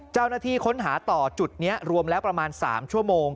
เจ้าหน้าที่ค้นหาต่อจุดนี้รวมแล้วประมาณ๓ชั่วโมง